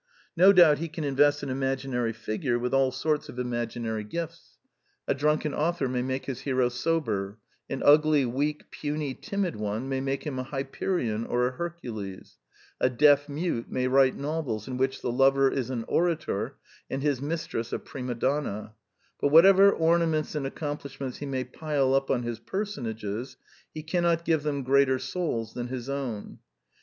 No doubt he can invest an imaginary figure with all sorts of imagi nary gifts. A drunken author may make his hero sober; an ugly, weak, puny, timid one may make him a Hyperion or a Hercules; a deaf mute may write novels in which the lover is an orator and his mistress a prima donna; but whatever orna ments and accomplishments he may pile up on his personages, he cannot give them greater souls than his own.